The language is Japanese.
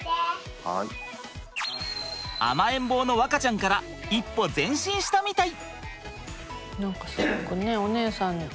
甘えん坊の和花ちゃんから一歩前進したみたい！